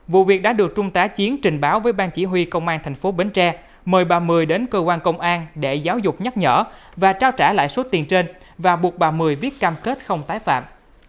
vụ việc đã được trung tá chiến trình báo với ban chỉ huy công an thành phố bến tre mời bà mười đến cơ quan công an để giáo dục nhắc nhở và trao trả lại số tiền trên và buộc bà mười viết cam kết không tái phạm